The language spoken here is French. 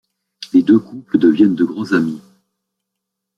Les deux couples deviennent de grands amis.